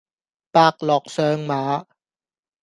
伯樂相馬